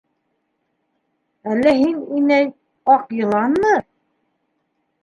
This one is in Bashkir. - Әллә һин, инәй, аҡ йыланмы?